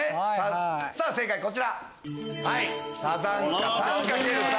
さぁ正解こちら。